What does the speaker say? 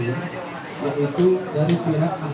yaitu dari pihak ahli